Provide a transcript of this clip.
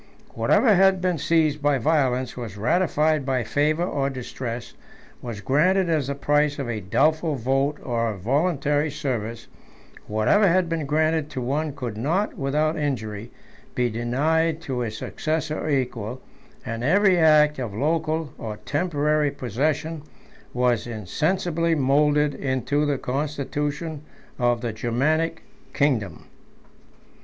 Whatever had been seized by violence, was ratified by favor or distress, was granted as the price of a doubtful vote or a voluntary service; whatever had been granted to one could not, without injury, be denied to his successor or equal; and every act of local or temporary possession was insensibly moulded into the constitution of the Germanic kingdom.